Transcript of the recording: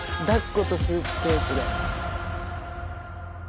だっことスーツケースで。